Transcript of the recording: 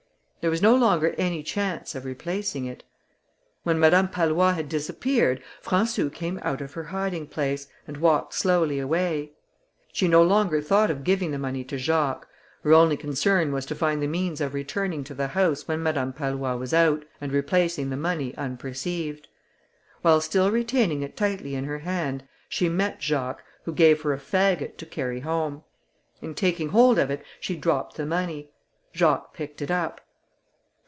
There was no longer any chance of replacing it. When Madame Pallois had disappeared, Françou came out of her hiding place, and walked slowly away. She no longer thought of giving the money to Jacques, her only concern was to find the means of returning to the house when Madame Pallois was out, and replacing the money unperceived. While still retaining it tightly in her hand, she met Jacques, who gave her a faggot to carry home. In taking hold of it she dropped the money; Jacques picked it up.